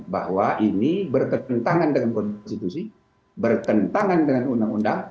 bahwa ini bertentangan dengan konstitusi bertentangan dengan undang undang